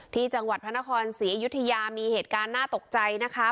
ที่จังหวัดพระนครศรีอยุธยามีเหตุการณ์น่าตกใจนะคะ